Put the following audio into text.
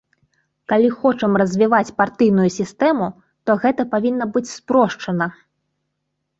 Калі хочам развіваць партыйную сістэму, то гэта павінна быць спрошчана!